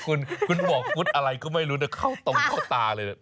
คุณคุณบอกฟุตอะไรก็ไม่รู้นะเข้าตรงเข้าตาเลยนะ